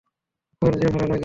কর যা ভালো লাগে।